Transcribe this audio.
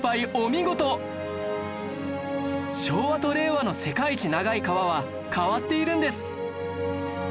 昭和と令和の世界一長い川は変わっているんです